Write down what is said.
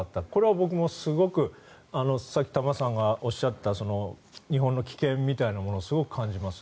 僕はこれがさっき、玉川さんがおっしゃった日本の危険みたいなものをすごく感じます。